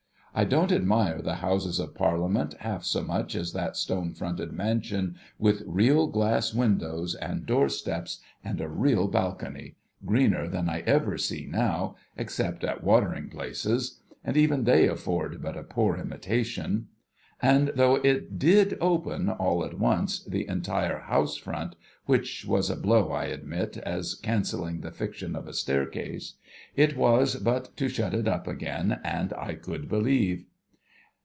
I don't admire the Houses of Parliament half so much as that stone fronted mansion with real glass windows, and door steps, and a real balcony — greener than I ever see now, except at watering places ; and even they afford but a poor imitation. And though it did open all at once, the entire house front (which was a blow, I admit, as cancelling the fiction of a staircase), it was but to shut it up again, and I could believe.